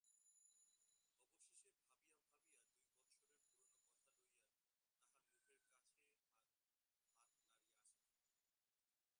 অবশেষে ভাবিয়া ভাবিয়া দুই বৎসরের পুরানো কথা লইয়া তাহার মুখের কাছে হাত নাড়িয়া আসিতেন।